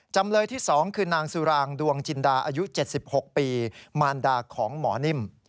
จำเลยที่๒คือนางสุรางดวงจินดาอายุ๗๖ปีมารดาของหมอนิ่ม